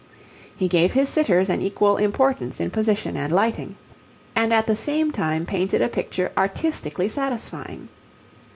He gave his sitters an equal importance in position and lighting, and at the same time painted a picture artistically satisfying.